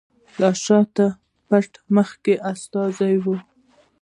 لال شاه پټان مخکې استازی وو.